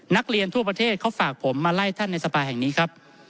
นักเรียนทั่วประเทศเขาฝากผมมาไล่ท่านในสภาแห่งนี้ครับ